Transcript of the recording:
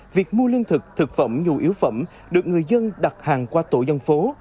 việc mua lương thực thực phẩm nhu yếu phẩm được người dân đặt hàng qua tổ dân phố